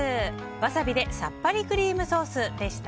ワサビでさっぱりクリームソースでした。